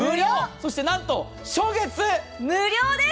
そしてなんと、初月無料です。